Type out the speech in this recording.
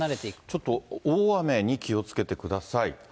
ちょっと大雨に気をつけてください。